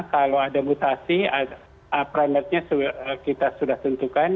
kalau ada mutasi premiernya kita sudah tentukan